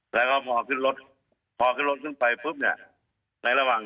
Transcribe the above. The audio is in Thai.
แล้วก็พอขึ้นรถพอขึ้นรถขึ้นไปปุ๊บเนี่ยในระหว่าง